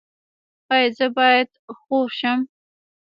ایا زه باید خور شم؟